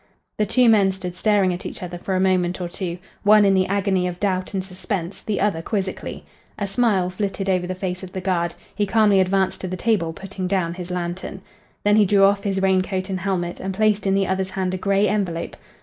The two men stood staring at each other for a moment or two, one in the agony of doubt and suspense, the other quizzically. A smile flitted over the face of the guard; he calmly advanced to the table, putting down his lantern. Then he drew off his rain coat and helmet and placed in the other's hand a gray envelope.